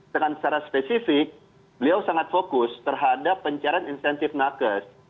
dengan secara spesifik beliau sangat fokus terhadap pencairan insentif nakes